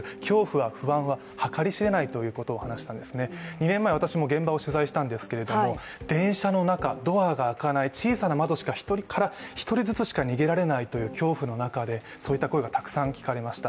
２年前、私も現場を取材したんですけれども、電車の中、ドアが開かない、小さな窓から１人ずつしか逃げられないという恐怖の中でそういった声がたくさん聞かれました。